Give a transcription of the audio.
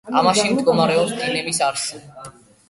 ამაში მდგომარეობს დილემის არსი.